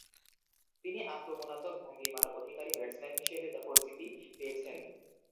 তিনি আক্রমণাত্মক ভঙ্গীমার অধিকারী ব্যাটসম্যান হিসেবে পরিচিতি পেয়েছেন।